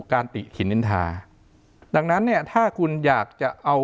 การติหินนินทาดังนั้นเนี่ยถ้าคุณอยากจะเอา